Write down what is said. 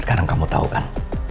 sekarang kamu tahu kan